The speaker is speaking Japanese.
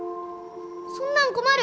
そんなん困る。